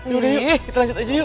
udah yuk kita lanjut aja yuk